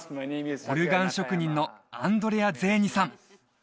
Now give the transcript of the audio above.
オルガン職人のアンドレア・ゼーニさん